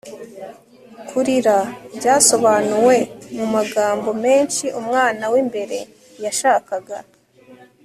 kurira. byasobanuwe mumagambo menshi umwana wimbere yashakaga